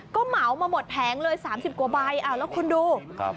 ก็เหมามาหมดแผงเลย๓๐กว่าใบแล้วคุณดู